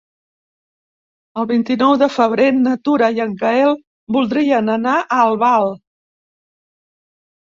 El vint-i-nou de febrer na Tura i en Gaël voldrien anar a Albal.